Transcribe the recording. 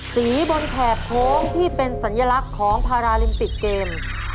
บนแถบโค้งที่เป็นสัญลักษณ์ของพาราลิมปิกเกม